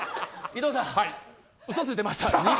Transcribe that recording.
伊藤さん、うそついてました。